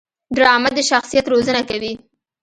ډرامه د شخصیت روزنه کوي